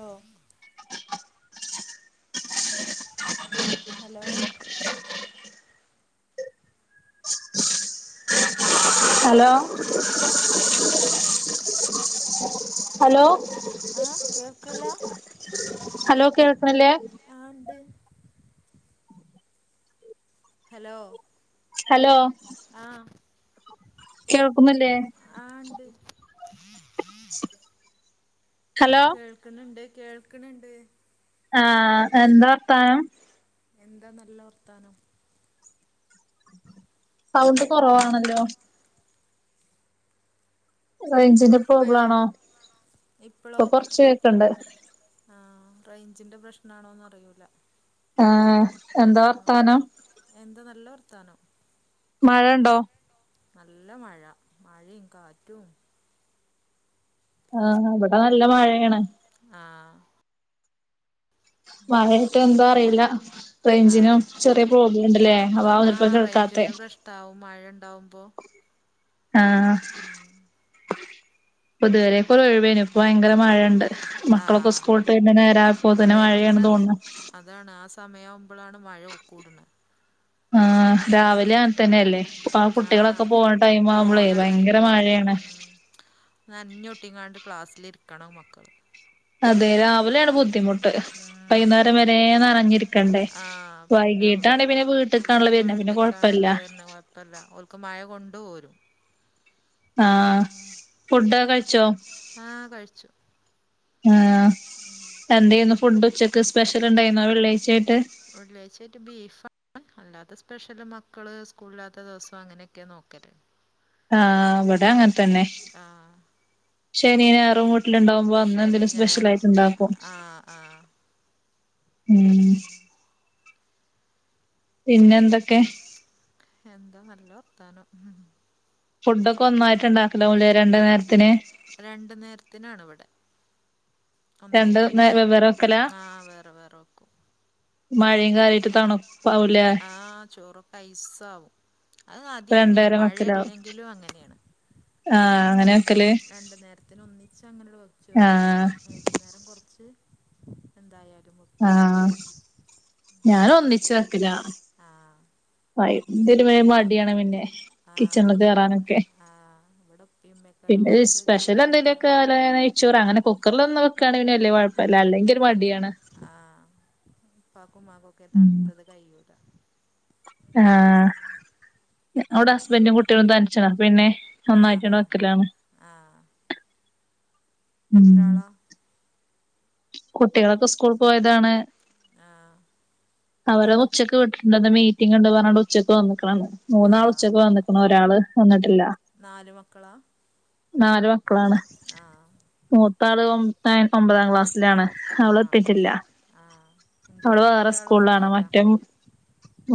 ഓ. [inaudible] Hello? Hello hello hello കേൾക്കണില്ലേ ആണ്ട്. Hello hello? ആഹ് കേൾക്കുന്നില്ലേ? ആഹ് ണ്ട്. ഹലോ? കേൾക്കുന്നുണ്ട് കേൾക്കണണ്ട് ആഹ് എന്താ വർത്താനം എന്താ നല്ല വർത്താനം സൗണ്ട് കൊറവാണല്ലോ റേഞ്ചിന്റെ പ്രോബ്ല ആണോ? ഇപ്പൊ കൊറച്ച് കേൾക്ണ്ട്. ആഹ് റേഞ്ചിന്റെ പ്രശ്ന ആണോന്ന് അറിയൂല. ആഹ് എന്താ വർത്താനം എന്ത് നല്ല വർത്താനം. മഴ ഉണ്ടോ? നല്ല മഴ മഴയും കാറ്റും. ആഹ് അവിടെ നല്ല മഴയാണ്. ആഹ് മഴായിട്ട എന്താ അറിയില്ല. റേഞ്ചിനും ചെറിയ പ്രോബ്ലം ഉണ്ടല്ലേ? അത ഒപ്പം കേൾക്കാത്തെ? ഇത്താവും മഴ ഉണ്ടാവുമ്പോ? ആഹ് ഉം ഇപ്പ ഇത് വരേകൊരു ഒഴിവേനു ഇപ്പ ഭയങ്കര മഴണ്ട് മക്കളൊക്കെ സ്കൂളിട്ട് വരാനായപോയ്ക് മഴയാണ് തോന്ന അതാണ് ആ സമയാവുമ്പളാണ് മഴ ഊക്കൂട്ണെ ആഹ് രാവിലെ അങ്ങനതന്നെയല്ലേ, ആ കുട്ടികളൊക്കെ പോകണ ടൈം ആവുമ്പോളേ ഭയങ്കര മഴയാണ്. നഞ്ഞൊട്ടിങ്ങാണ്ട് ക്ലാസ്സിലിരിക്കണം. മക്കൾള്. അതെ രാവിലെയാണ് ബുദ്ധിമുട്ട്, വൈകുന്നേരം വരെ നിറഞ്ഞിരിക്ക ക്കണ്ടേ വൈകീട്ടാണ പിന്നെ വീ വരുന്നട്ട്കാണെല്ലൊ വരുന്നത് പിന്നെ കൊഴപ്പല്ല. തല്ല ഓൾക്ക് മഴ കൊണ്ട് പോരും ആഹ് ഫുഡൊ കഴ കഴിച്ചോ? ആഹ കഴിച്ചു. ആഹ് എന്ത്ന്നു ഫുഡ് ഉച്ചക്ക് സ്പെഷ്യൽ ഉണ്ടായിന്നോ വെള്ളിയാഴ്ച്ച ആയിട്ട്? വെള്ള്യായ്ച്ചായ്ട്ട് ബീഫാ അല്ലാത്ത സ്പെഷ്യല് മക്കള് സ്കൂളില്ലാത്ത ദിവസം അങ്ങനെയൊക്കെ നോക്കല്. ആഹ് ശനി ഞായറും ആഹ് ആഹ് ഉം പിന്നെ എന്തൊക്കെ? എന്താ നല്ല വർത്താനം ഫുഡൊക്കെ ഒന്നായ്ട്ട്ണ്ടാക്കലാവുംലേ രണ്ട് നേര്ത്ത്ന് രണ്ട് നേരത്ത്നാണ്‌വടെ ഒന്നായ്ട്ടല്ല ആഹ് വേറെ വേറെ വെക്കും ആഹ് ചോറൊക്കെ ഐസാവും അത് ആദ്യേ അങ്ങെനെ മഴയെല്ലെങ്കിലും അങ്ങെനേണ് ആഹ് അങ്ങെനെ രണ്ടു നേരത്തിന് ഒന്നി അങ്ങനെ ഒരു വച്ചുവയ്ക്കലല്ല. വൈകുന്നേരം കൊർച്ച് എന്തായാലും വെ ആഹ് ഞാന ഒന്നിച്ചു വെക്കല. ആഹ് വയ്ത് ന് വേം മടിയാണ് പിന്നെ കിച്ചൺല് കേറാനൊക്കെ, പിന്നെ സ്പെഷല് എന്തെലോക്കെ നെയ്ച്ചോറ് അങ്ങനെ കുക്കറിലൊന്നും വക്കാണെ പിന്നെ വല്യ കൊഴപ്പല്ല. അല്ലെങ്കിൽ ഒരു മടിയാണ്. ആഹ് ഉപ്പക്കും ഉമ്മക്കുക്കെ തണുത്തത് കയിയുലാ ആഹ്. അവിടെ ഹസ്ബൻറ്റും കുട്ടികളും തനിച്ചാണ് അപ്പ പിന്നെ ആഹ് ആഹ് ആഹ് എത്രാളാ കുട്ടികളൊക്കെ സ്കൂൾ പോയതാണ്. അവരെ ഉച്ചക്ക് വിട്ടി ഇന്നെന്തോ മീറ്റിംഗ് ഒണ്ട് പറഞ്ഞാണ്ട് ഉച്ചക്ക് വന്നേക്കാണണ്. മുന്നാളും ഉച്ചക്ക് വന്നെക്കുണു. ഒരാള് വന്നിട്ടില്ല നാല് മക്കളാ നാല് മക്കളാണ്. മൂത്താള് ഒമ് പേ ഒമ്പതാം ക്ലാസ് സ്സിലാണ് അവള് എത്തിട്ടില്ല ആഹ് അവള് വേറെ സ്കൂൾലാണ് മറ്റേം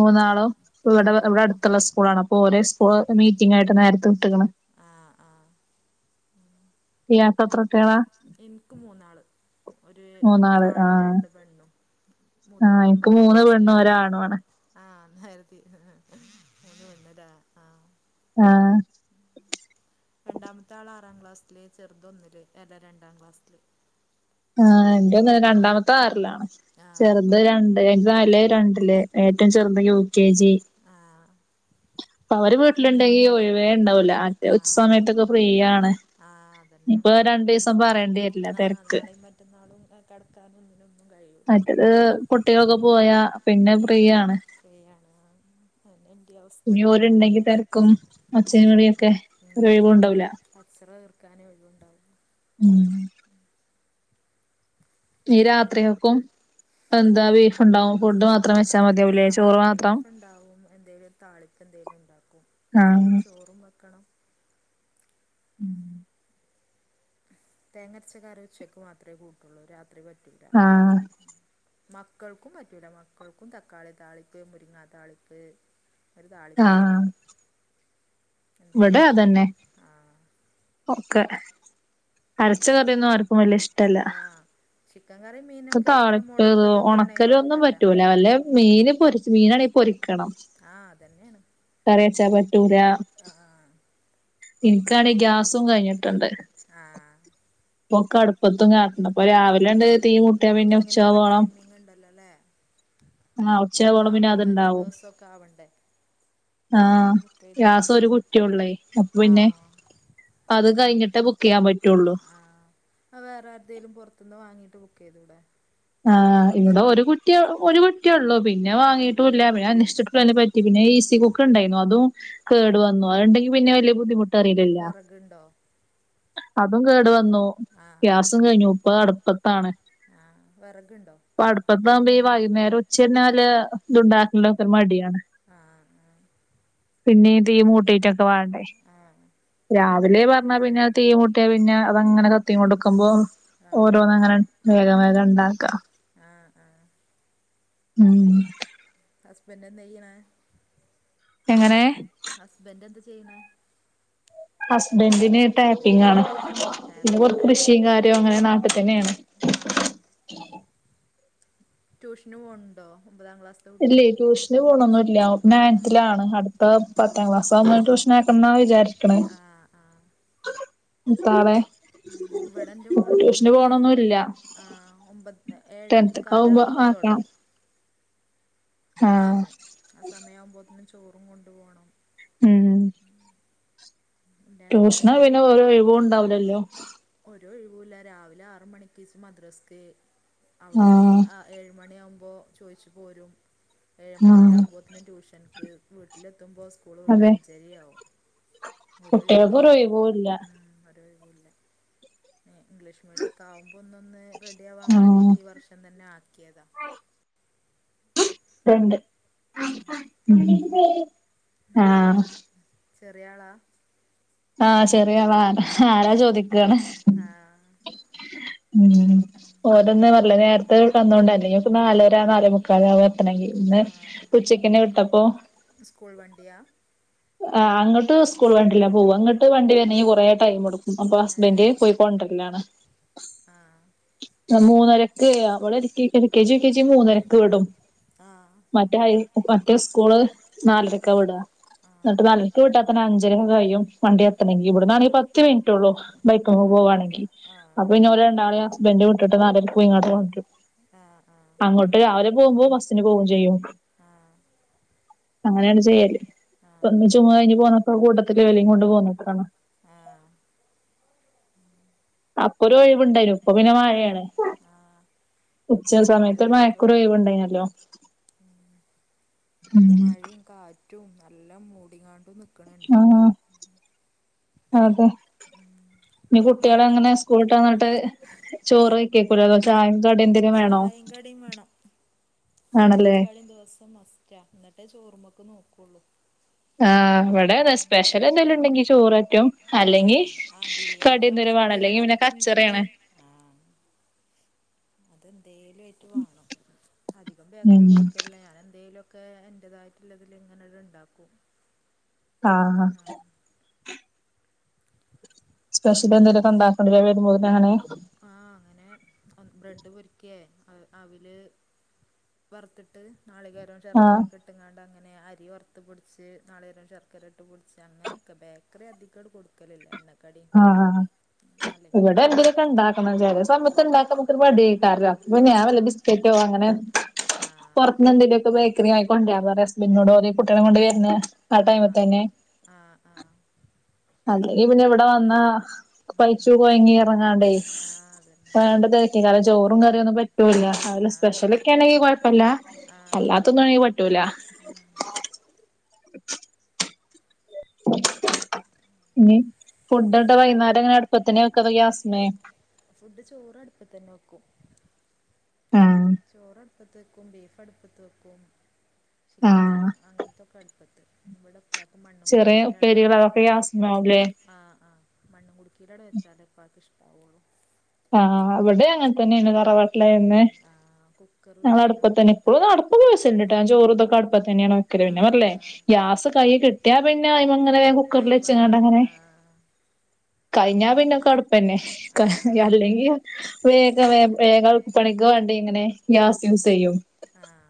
മൂന്നാളും ഇവിടെ ഇവിടടുത്തുള്ള സ്കൂളാണ്. അപ്പോ ഓരെ സ്കൂള് മീറ്റിങ്ങായിട്ട് നേരത്തെ വിട്ട്ക്കണ് ആഹ് ആഹ് ഇയാക്കെത്ര കുട്ട്യാളാ? ഇൻക്ക് മൂന്നാള് ഒര് ആണ് രണ്ട് പെണ്ണും മൂത്താള് ഒമ്പതാം ക്ലാസ്സിലാണ് ആഹ് അന്നേരത്തി [unintelligible] ആഹ് ആഹ് രണ്ടാമത്തെ ആള് ആറാം ക്ലാസ്സില്. ചെറുതൊന്നില്. അല്ല രണ്ടാം ക്ലാസ്സില് ആഹ് എന്റെ ന്നലെ രണ്ടാമത്തെ ആറിലാണ് ചെറുത് ര [unintelligible] ല്ലേ രണ്ടില് ഏറ്റോം ചെറുത് യു കെ ജി അവര് വീട്ടിലുണ്ടെങ്കി ഒഴിവേ ഉണ്ടാവൂല്ല മറ്റേ ഉച്ച സമയത്തൊക്കെ ഫ്രീ ആണ് ന്നിപ്പോ രണ്ടീസം പറ്യണ്ടേര്ല്ല തെരക്ക് മറ്റന്നാളും എ കടക്കാനൊന്നിനും മറ്റത് കുട്യളൊക്കെ പോയാ പിന്നെ ഫ്രീയാണ് ഫ്രീയാണ് ആഹ് അഅന്നെ ൻ്റിം അവസ് ഇനിഓരു ഉണ്ടെങ്കി തെരക്കും ഒച്ചിം വിളിയൊക്കെ, ഒരൊഴിവുണ്ടാവൂല കച്ചറ തീർക്കാനെ ഒഴിവുണ്ടാവു ഉം ന്നി രാത്രികക്കും എന്താ ബീഫുണ്ടാവും ഫുഡ് മാ ആഹ് ആഹ് ബീഫ്ണ്ടാവും. എന്തേലും ഒരു താളിപ്പെന്തേലും ണ്ടാക്കും ചോറും വെക്കണം ഉം തേങ്ങര്ച്ച കറി ഉച്ചക്ക് മാത്രേ കൂട്ടുള്ളു. രാത്രി പറ്റുലാ മക്കൾക്കും പറ്റുല. മക്കൾക്കും തക്കാളി താളിപ്പ് മുരിങ്ങാ താളിപ്പ് ഒരു താളിപ്പ്ട്ടണം ഇവടെ അതന്നെ ഒക്കെ അരച്ച കറിയൊന്നും ആർക്കും വല്യ ഇഷ്ടല്ല ക്ക് താളിപ്പ്, ഒണക്കല്, ഒന്നും പറ്റൂല അല്ലേ മീന് പൊരിച്ച് മീനാണെ പൊരിക്കണം ആഹ് അതന്നേണ് ആഹ് ഇൻക്കാണെ ഗ്യാസും കഴിഞ്ഞിട്ടുണ്ട് ആഹ് [unintelligible] പ്പത്തും കാട്ടണ്ട. പ്പോ രാവിലെ അണ്ട് തീക്കൂട്ടിയാ പിന്നെ ഉച്ചയാവോളം ആഹ് ഉച്ചയാവോളം പിന്നെ അത്ണ്ടാവും. ആഹ് ഗ്യാസ് ഒരു കുറ്റി ഒള്ളെയ്. അപ്പോ പിന്നെ പ്പ അത് കയ്ഞ്ഞ്ട്ടേ ബുക്കെയ്യാം പറ്റൊള്ളൂ ആഹ് അത് വേറെ ആരുത്തേലുംപുറത്തുന്ന് വാങ്ങിട്ട് ബുക്ക് ചെയ്തൂടെ? ആഹ് ഇവിടെ ഒരു കുറ്റിയേ ഒരു കുറ്റിയേ ഉള്ളു പിന്നെ വാങ്ങീട്ടു ഇല്ല പിന്നെ അന്വേഷിച്ചിട്ടുംഅതിനെ പ പിന്നെ ഈസി കുക്ക് ഉണ്ടായിരുന്നു. അതും കേടു വന്നു അതുണ്ടെങ്കില് പിന്നെ വലിയ ബുദ്ധിമുട്ട് ട്ട് അറിയലില്ല അതും കേടു വന്നു. ആഹ് [unintelligible] അടുപ്പത്താണ്. ആഹ് വെറകുണ്ടോ? ഇപ്പ അടുപ്പത്താകുമ്പോ ഈ വൈകുന്നേരം ഉച്ചതിരിഞ്ഞാല് ഇതുണ്ടാക്കല് ഒരു മടിയാണ്. ആഹ് ആഹ് പിന്നെയും തീ മൂട്ടിട്ടൊക്കെ വേണ്ടേ? രാവിലെ പറഞ്ഞാ പിന്നെ തീ മുട്ടിയാ പിന്നെ അത് അങ്ങനെ കത്തിം കൊണ്ട്ക്കുമ്പോ ഓരോന്ന് അങ്ങനെ വേഗം വേഗം ഉണ്ടാക്കാം. ആഹ് ആഹ് ഉം ഹസ്ബൻഡ് എന്താ ചെയ്യണേ? എങ്ങനെ? ഹസ്ബൻറ് എന്താ ചെയ്യണ്? ഹസ്ബന്റിന് ടാപ്പിംഗ് ആണ്. പിന്നെ കൂടെ കൃഷിയും കാര്യവും അങ്ങനെ നാട്ടിൽ തന്നെയാണ്. ആഹ് ട്യൂഷനും പോണുണ്ടോ? ഒമ്പതാം ക്ലാസ് ഇല്ലേ ട്യൂഷന് പോണൊന്നുമില്ല. അവൻ പ്പൊ നയൻത് ലാണ് അടുത്ത പത്താം ക്ലാസ് ആകുമ്പോ ട്യൂഷൻ ആക്കണാന്നാ ചാരിക്ക്ണ് മൂത്താളെ ട്യൂഷന് പോണൊന്നൊന്നും ഇല്ല ടെൻത്തിക്ക്ആകുമ്പോ ആക്കാം. ട്യൂഷന് ആ സമയ ആകുമ്പഴത്തേക്കിന്ചോറും കൊണ്ടു പോണം. ഉം ട്യൂഷന് പിന്നെ ഒരു ഒഴിവും ഉണ്ടാവില്ലല്ലോ? ഒരു ഒഴിവു ഇല്ല രാവിലെ ആറു മണിക്ക് നീച്ച് മദ്രാസ്ക്ക് അവിടുന്ന് ഏഴുമണിയാകുമ്പോ ചോദിച്ചു പോരും. ഏഴേമുക്കാലാവുമ്പഴത്തേക്ക് ട്യൂഷനിക്ക് വീട്ടിലെത്തുമ്പോൾ സ്കൂൾ വിട്ട് അഞ്ചരയാവും. ഒരു ഒഴിവു ഇല്ല. ഉം ഒരു ഒഴിവൂ ഇല്ല. ഉം ഇംഗ്ലീഷ് മീഡിയാെക്കെ ആവുമ്പാെന്നൊന്ന് റെഡി ആവാൻ വാണ്ടീട്ട് ഈ വർഷം തന്നെ ആക്ക്യേതാ ണ്ട് ആഹ് ചെറിയ ആളാ? ആഹ് ചെറിയാളാ, ആരാ ചോദിക്കാണ്. ഉം ഓരന്നെ പറല്ലേ നേരത്തെ വന്നോണ്ട അല്ലെങ്കി ഒക്കെ നാലരെ നാല് മുക്കാല് ആവും എത്തണേങ്കി. ഇന്ന് ഉച്ചയ്ക്ക് തന്നെ വിട്ടപ്പോ? സ്കൂൾ വണ്ടിയാ? ആഹ് അങ്ങട്ട് സ്കൂൾ വണ്ടിലാ പോവ, ഇങ്ങട്ട് വണ്ടി വരണെങ്കില് കുറെ ടൈം എടുക്കും. അപ്പൊ ഹസ്ബൻഡ് പോയി കൊണ്ടരലാണ് ആഹ് മൂന്നരക്ക് അവിടെ L. K. G. U. K. G മൂന്നരക്ക് വിടും മറ്റേ സ്കൂള് നാലരയ്ക്കാ വിട. എന്നിട്ട് നാലരയ്ക്ക് വീട്ടാത്തന്നെ അഞ്ചര ഒക്കെകഴിയും വണ്ടി എത്തണമെങ്കി. ഇവിടുന്നാണെങ്കില് പത്ത് മിനിറ്റേ ഉുള്ളൂ. ബൈക്കു മേ പോവുവാണെങ്കിൽ അപ്പൊ ഓരെ രണ്ടാളേയും ഹസ്ബൻഡ് വിട്ടിട്ട് നാലരയ്ക്ക്പോയി ഇങ്ങോട്ട് കൊണ്ടുവരും. ആഹ് ആഹ് അങ്ങോട്ട് രാവിലെ പോകുമ്പോ ബസ്സിന് പോവും ചെയ്യും അങ്ങനെയാണ് ചെയ്യല്. [unintelligible] ജുമാ കഴിഞ്ഞ് പോന്നപ്പോ കൂട്ടത്തില് [unintelligible] ആഹ് അപ്പൊ ഒരു ഒഴിവുണ്ടായിരുന്നു. ഇപ്പൊ പിന്നെ മഴയാണ് ഉച്ച സമയത്ത് മയ ക്കൊരു ഒഴിവുണ്ടായിനല്ലോ? ഉം ഉം റ്റവും നല്ല മൂടിങ്ങാണ്ടും ആഹ അതെ ഇ കുട്ടികള അങ്ങനെ കൂട്ടാന്നിട്ട് ചോറ് [unintelligible] ചായ കടി എന്തെങ്കിലും വേണോ ചായയും കടിയും ദിവസ്സോം മസ്റ്റാ എന്നിട്ടേ ചോറുമൊക്കെ നോക്കുള്ളു. ആഹ് ഇവിടെ റസ് സ്പെഷ്യൽ എന്തെലും ഉണ്ടെങ്കി ചോററ്റും അല്ലെങ്കിൽ കടിയെന്തേലും വേണം അല്ലെങ്കി പിന്നെ കച്ചറയാണ്. അതെന്തേലും ആയിട്ട് വാണം അധികം ബേക്കറി കൊടുക്കലില്ല ഞാൻ എന്തേലു ക്കെ എന്റെതായിട്ടുള്ളതിൽ എങ്ങനേലും ഉണ്ടാക്കും. ആഹ് ഹ സ്പെഷ്യല് എന്തെലൊക്കെ ഉണ്ടാക്കണ്ട വരുമ്പോ അങ്ങനെ ആ അങ്ങനെ ബ്രെഡ് പൊരിക്കേ അവില് വറുത്തിട്ട് നാളികേരവും ശർക്കര [unintelligible] അങ്ങനെ അരി വറുത്ത് പൊടിച്ച് നാളികേരം ശർക്കര ഇട്ട് പൊടിച്ച് അങ്ങനെയൊക്കെ ബാക്ക് അത്ര അധികങ്ങട് കൊടുക്കലില്ല ആഹ ഇവിടെ എന്തങ്കിലോക്കെ ഉണ്ടാക്കണം ചില സമയത്ത് ഇണ്ടാക്കാൻ നമുക്കൊരു മടിയാട്ട പിന്നേ ഞാൻ വല്ല ബിസ്ക്കറ്റോ അങ്ങനെ ആഹ് ഇന്നെന്തലുമൊക്കെ ബേക്കറി വാങ്ങി കൊണ്ടൊരാൻ ഹസ്ബന്റിനോട് പറയും കുട്ടികളെകൊണ്ട് വരുന്ന ആ ടൈമിൽ തന്നെ ആഹ് ആഹ് അല്ലെങ്കി പിന്നെ ഇവിടെ വന്നാ പൈച്ചൂ ഇങ്ങി ഇറങ്ങാണ്ടേ? [unintelligible] ചോറും കറിയും ഒന്നും പറ്റൂല്ല അല് സ്പെഷ്യല് ഒക്കെ ആണെങ്കിൽ കുഴപ്പല്ല അല്ലാത്ത ഒന്നു പറ്റൂല ഇനി ഫുഡ് വൈകുന്നേരം അങ്ങനെ അടുപ്പത്തിന വെക്ക ഗ്യാസ്മേ ഫുഡ് ചോറ് അടുപ്പത്തന്നെ വെക്കും ചോറ് അടുപ്പത്ത് വെക്കും ബീഫ് അടുപ്പത്ത് വെക്കും ചിക്കനാ അങ്ങനത്തൊക്കെ അടുപ്പത്ത് ഇവിടെ ഉപ്പാക്ക് മണ്ണ് കുടുക്കിട്ട അവിടെ വെക്കണം ആഹ ആഹ മണ്ണകുടുകീരടെ വച്ചാലേ ഉപ്പാക്ക് ഇഷ്ടവുള്ളു ആ അവിടെ അങ്ങനെ തന്നെ ആണ് തറവാട്ടില് [unintelligible] ഞങ്ങള് അടുപ്പത്തന്നെ ഇപ്പോളും ദിവസവും ഇണ്ട്ട ചോറുതൊക്കെ അടുപ്പത്തന്നെണ് വെക്കല് പിന്നെ പറഞ്ഞ്ലേ ഗ്യാസ് കൈ കിട്ടിയാ പിന്നെ അങ്ങനെ കുക്കറിൽ വെച്ച്ണ്ടങ്ങനെ കഴിഞ്ഞാ പിന്നെ കുഴപ്പമില്ല ആ അല്ലെങ്കിൽ വേഗ വേഗ പണിക്ക് വേണ്ടി ഇങ്ങനെ ഗ്യാസ് യൂസ് ചെയ്യും. ആഹ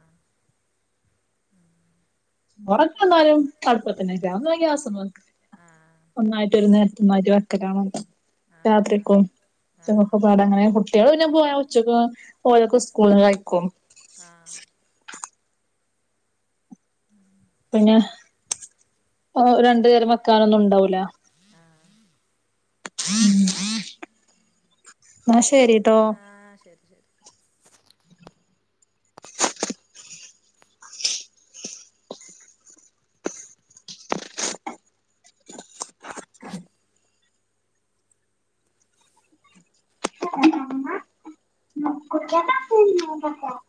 ഉറക്കന്നാലും കുഴപ്പത്തിന്നെ ആസ ആഹ് ന്നായിട്ട് ഒരു നേരത്ത വക്കലണ രാത്രിക്കോ ചുമക്കപ്പാട് അങ്ങനെ [unintelligible] കുട്ടികൾ പിന്നെ പോയാ ഉച്ചക്ക് ഓരൊക്കെ സ്കൂളിൽ കഴിക്കും. ആ ഉം പിന്നെ രണ്ടു നേരം വെക്കാനൊന്നും ഉണ്ടാവൂല ആഹ് ന്നാ ശരിട്ടോ ആഹ ശരി ശരി [inaudible] നക്ക പക്ക [unintelligible]